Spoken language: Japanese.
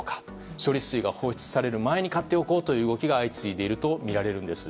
処理水が放出される前に買っておこうという動きが相次いでいるとみられるんです。